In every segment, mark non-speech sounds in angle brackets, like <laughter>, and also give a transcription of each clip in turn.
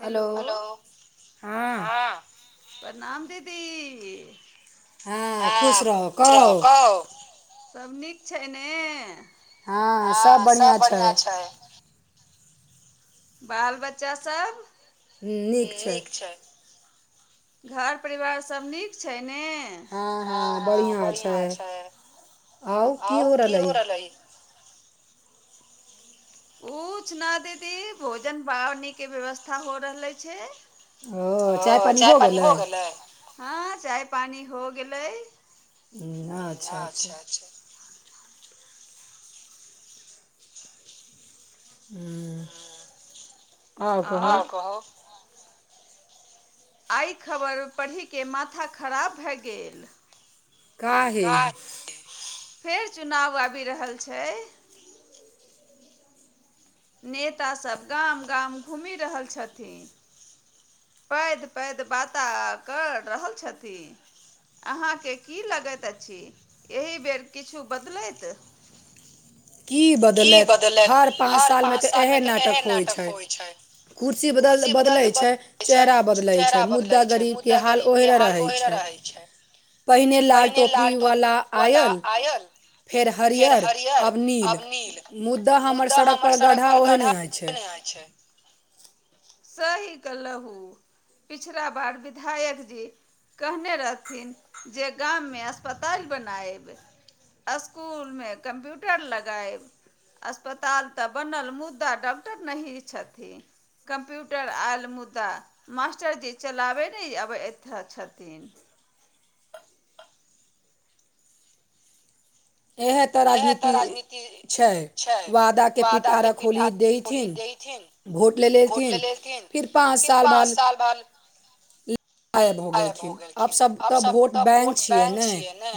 Hello हो हँ प्रणाम दीदी हँ कछ रह कहू सभ नीक छै ने हँ सभ बढ़िआँ छै बाल बच्चासभ नीक छै घर परिवार सब नीक छै ने हँ हँ बढ़ियां छै आउ की हो रहलै कुछ न दीदी भोजन बावनी के व्यवस्था हो रहलै छै ओ चाय पानी हो गेलै चाय पानी हो गेलै हूँ अच्छा अच्छा <inaudible> हूँ आओर कहू आइ खबर पढ़िकेँ माथा खराब भए गेल काहे फेर चुनाव आबि रहल छै नेतासभ गाम गाम घूमि रहल छथिन पैघ पैघ बाता कऽ रहल छथिन अहाँके की लगैत अछि एहि बेर किछु बदलैत <inaudible> की बदलैत हर पाँच सालमे तऽ इएह नाटक होइ छै कुरसी बदल बदलै छै छै चेहरा बदलै छै मुद्दा गरीब के हाल ओहने रहै छै पहिने लाल टोपी बाला आयल फेर हरियर अब नील मुद्दा हमर सड़क पर गढ़ा खोदने अछि <unintelligible> सही कहलहु पिछला बार विधायक जी कहने रहथिन जे गाममे अस्पताल बनायब स्कुलमे कम्प्यूटर लगायब अस्पताल तऽ बनल मुदा डॉक्टर नहि छथिन कम्प्यूटर आएल मुदा मास्टरजी चलाबे नहि आब एतऽ छथिन एहे तऽ राजनीति छै वादा के पिटार आ बोली देथिन भोट लै लऽ एथिन फीर पाँच साल बाद आय भऽ गेलखिन आब सब तऽ भोट बैन छियै ने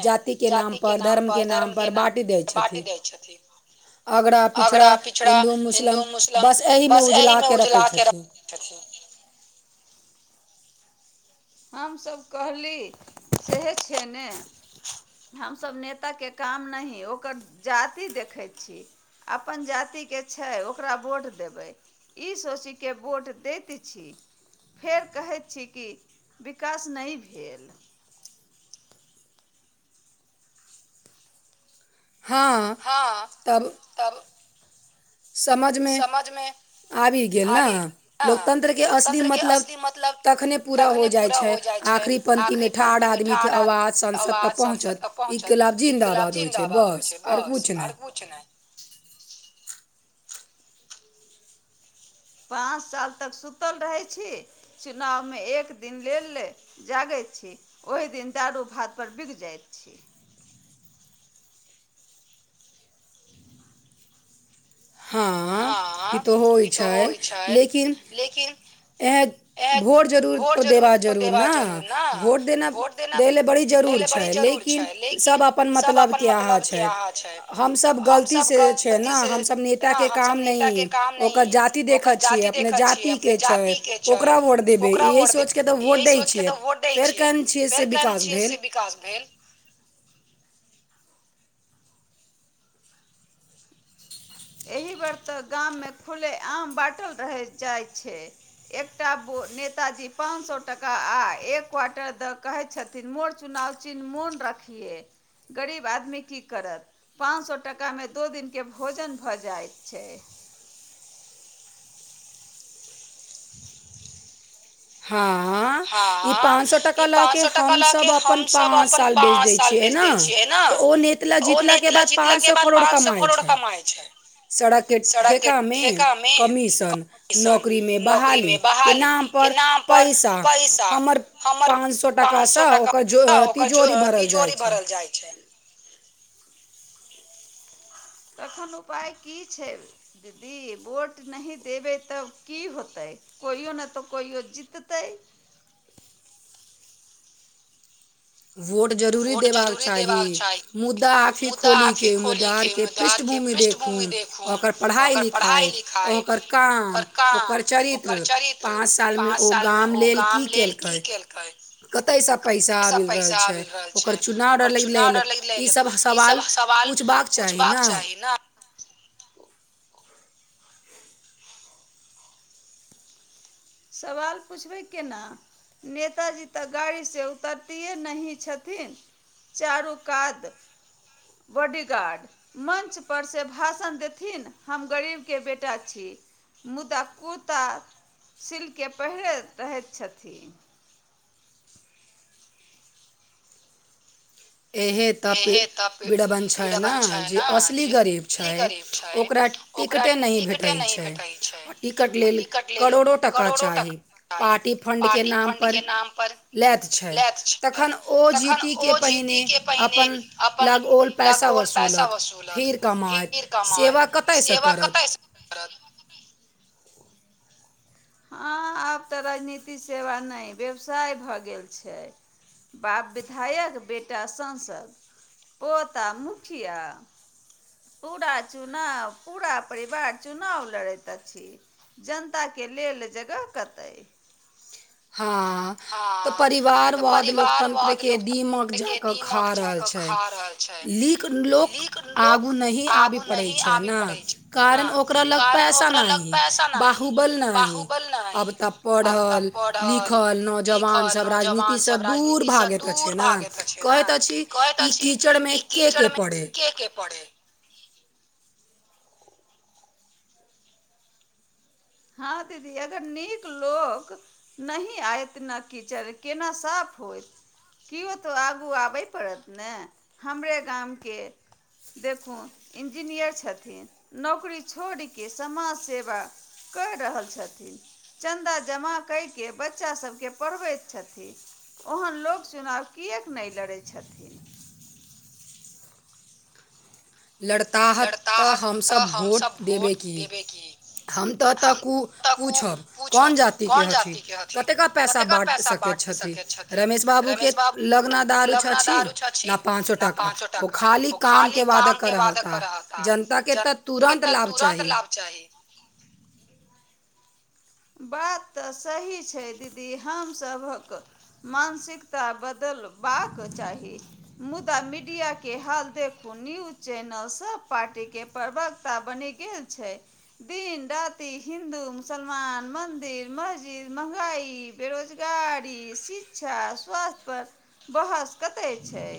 जातिकेँ नाम पर धर्म केँ नाम नाम पर बड्ड बाँटी दै छथिन आगरा पिछड़ा हिन्दू मुस्लिम बस एहिमे उझला के रख <unintelligible> हमसब कहली सेहे छै ने हमसब नेता केँ काम नहि ओकर जाति देख देखै छी अपन जातिके छै ओकरा भोट देबै ई सोचीकेँ बोट दैत छी फेर कहैत छी की विकास नहि भेल हाँ तब समझमे आबि गेल ने लोकतन्त्रके असली मतलब तखने पूरा हो जाइ छै आखरी पंक्ति मे ठार आदमी केँ आवाज संंसद तक पहुंचत इनक्लाप जिंदाबाद होइ छै बहु बस आर कुछ नहि <inaudible> पाँच साल तक सुतल रहैत छी चुनावमे एक दिन लेल जागैत छी ओहि दिन दारू भात पर बिक जाइत छी हाँ ई तऽ होइ छै लेकिन इएह भोट जरूर देबा जरूर ने भोट देना दै लए बड़ी जरूर छै ले लेकिन सब अपन मतलब के अहाँ छै हमसभ गलती से छै ने हमसभ नेते सब नेता के काम नहि ओकर जाति देखै छियै अपने जाति के छै ओकरा य सोचके तऽ वोट दै छियै फेर केन छियै से विकास भेल <inaudible> एहि बेर तऽ गाम मे खुले आम बाँटल रहि जाइत छैय एकटा नेताजी पाँच सौ टका आ एक क्वार्टर द कहैत छथिन मोड़ चुनाव चिन्ह मोड़ रखिए गरीब आदमी की करत पाँच सौ टाका मे दू दिन के भोजन भऽ जाइत छैय। हाँ हाँ ई पाँच सौ टका लऽके हमस अपन पाँच साल बेच दै छियए ने तऽ ओ नेत ल जीतलाके बाद पाँच सौ करोड़ कमाई छैय। सड़क के ठेका मे कमीशन नौकरी मे बहाली के नाम पर पैसा हमर पाँच सए टाकास ओकर ज तिजोरी भरल जाई छैय। <inaudible> तखन उपाय की छैय दीदी वोट नहि देबै तब की होतै? कहिओ नहि तऽ कहिओ जीततै। वोट जरूरी देबाक चाही मुद्दा आखि खोले के उम्मीदवार के पृष्ठभूमि देखुन ओकर पढ़ाई लिखाई ओकर काम ओकर चरित्र। पांच साल में ओ गाम लेल की केलकै कतेस पैसा आबिल पैसा आबिल रहल छैय ओकर चुनाव लेल ई सब सवाल पूछबाक चाही ने <inaudible> सवाल पुछबै केना? नेताजी तऽ गाड़ीसँ उतरतए नहि छथिन। चारु कात बॉडीगार्ड मञ्चपर से भाषण देथिन हम गरीबके बेटा छी मुदा कुर्ता सिल्कके पहिरैत रहैत छथिन। इहे तऽ विड़बन छैय ने जे असली गरीब छैय ओकरा टिकटे नहि भेटैत छैय आ टिकट लेल करोड़ो टाका चाही। पार्टी फण्डके नामप लैत छैय तखन ओ जीती के पहिने अपन लग ओल पैसा वसूलत फेर कमाइत सेवा कतऽसँ करत। करत <inaudible> हँ आब तऽ राजनीति सेवा नहि व्यवसाय भऽ गेल छै बाप विधायक बेटा सांसद पोता मुखिया पूरा चुनाव पूरा परिवार चुनाव लड़ैत अछि। जनताके लेल जगह कतय हँ तऽ परिवारवाद लोक त दीमक जा खा रहल छैय लिक लोक आगू नही आबे पड़ै छैय। न कारण ओकरा लग पैसा नहि बाहुबल न है अब तऽ प पढ़ लिखल नौजवान सब राजनीतिसँ दूर भागैत छैय ने कहय ई कीचड़ मे के के पड़े हँ दीदी अगर नीक लोक नही आयत ने कीचड़ केना साफ होत किओ तऽ आगू आबय पड़त ने हमरे गामके देखू इंजीनियर छथिन नौकरी छोड़ि कऽ समाज सेवा कहि रहल छथिन चन्दा जमा करि कऽ बच्चासभकेँ पढ़बैत छथिन। ओहन लोक चुनाव किएक नहि लड़ै छथिन? लड़ताह तऽ हमसब भोट देबै की हम तऽ एतऽ कु पूछब कोन जातिके हथिन कतेका पैसा बाँट सकैत छथि रमेश बाबू के लगना दारू अछि न पाँच सो टाका ओ खाद ली काम के वादा क रहता जनता के तऽ तुरन्त लाभ चाही बात तऽ सही छै दीदी हमसभक मानसिकता बदल बाक चाही मुदा मीडिया के हाल देखू न्यूज चैनलसभ पार्टीक के प्रवक्ता बनि गेल छै दिन राति हिन्दू मुसल मान मन्दिर मस्जिद महंगाइ बेरोजगारी शिक्षा स्वास्थ्य पर बहस कते छै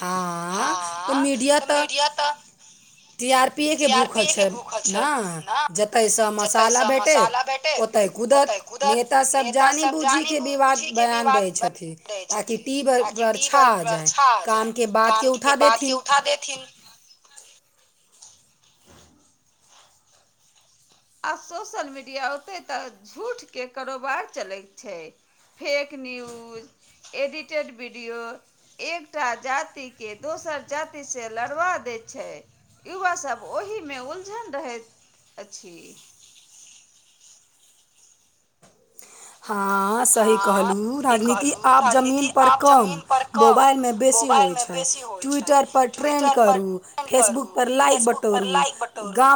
हँ तऽ मीडिया तऽ टी आर पी ए के भूखल छै ने जतय स मसाला भेटै ओतय कुदत नेता सब जानी बूझी के विवाद बयान दै छथिन ताकि टीवी पर छा जाइ कामके बातके उठा देथिन आ सोशल मीडिया ओतहि तऽ झूठके कारोबार चलैत छै फेक न्यूज एडिटेड वीडियो एकटा जातिके दोसर जातिसँ लड़वा दैत छै युवासभ ओहिमे उलझल रहैत अछि हँ से कहलहु राजनीति आप जमीन पर कम मोबाइ मे बेसी होइ छै ट्विटर पर टें करू फेसबुक पर लाइक बटोरू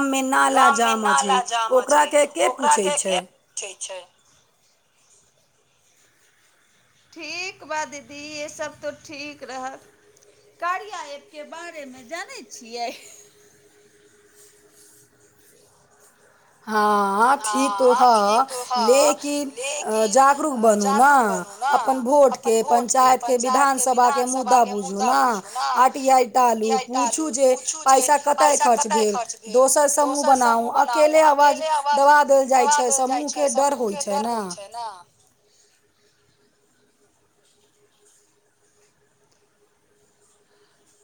गाममे नाला जाम अछि छै ओकराके के पूछै छै ठीक बा दीदी इसभ तो ठीक रह कारया एपके बारेमे जानै छियै हँ ठीक तो हँ लेकिन जागरूक बनू न अपन भोटके पञ्चायतके विधानसभाके मुद्दा बुझू न आर टी आइ टालू पुछू जे पैसा कतय खर्च भेल दोसर समूह बनाउ अकेले बाज दबा देल जाइ छै समूहके डर होइ छै ने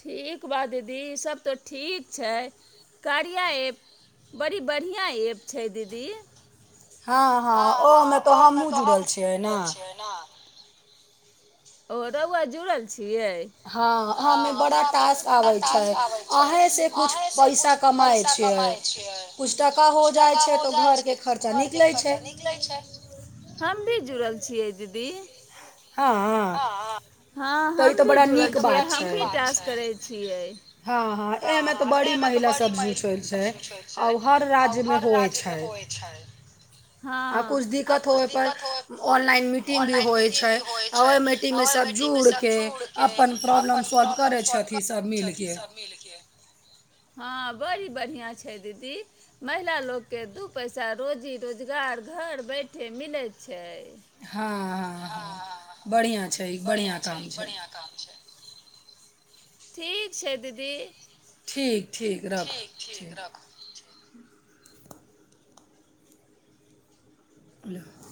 ठीक बात दीदी इसभ तऽ ठीक छै कारया एप बड़ी बढ़िआँ एप छै दीदी हँ हँ ओमे तऽ हम जुड़ल छियै न ओ रौआ जुड़ल छियै हँ ह त आबै छैयि अहं से कुछ पैसा कमा कुछ टाका हो जाइ छैय घर के खर्चा निकलैत छैय। हम भी जुड़ल छियै दीदी हँ ह हँ हम भी जुड़ल छियै हम भी टास्क करै छियै हँ हँ एमे तऽ बड़ी महिलाजू होइ छै आ हर राज्यमे होइ छै हं आ कुछ दिक्कत हो ऑनलाइन मीटिंग भी होइ छै आ ओहि मिटिंगमे सब जुड़ के अपन प्रॉब्लम सॉल्व कर छथि सब मिलके <inaudible> हँ बड़ी बढ़ियां छै दीदी महिला लोकोगके दू पैसा रोजी रोजगार घर बैठे मिलै छै हँ हँ बढ़िया छै बढ़ियां छै बढ़ियां काम छै ठीक छै दीदी ठीक ठीक राखू ठीक हलो